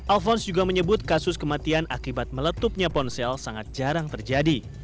alphonse juga menyebut kasus kematian akibat meletupnya ponsel sangat jarang terjadi